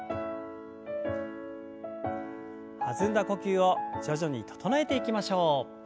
弾んだ呼吸を徐々に整えていきましょう。